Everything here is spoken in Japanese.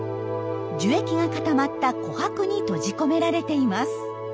樹液が固まった琥珀に閉じ込められています。